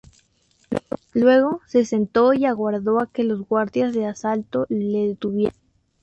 Luego, se sentó y aguardó a que los guardias de asalto le detuvieran.